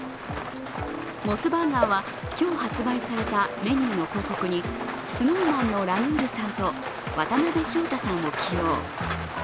モスバーガーは、今日発売されたメニューの広告にＳｎｏｗＭａｎのラウールさんと渡辺翔太さんを起用。